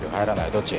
どっち？